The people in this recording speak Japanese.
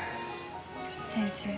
先生？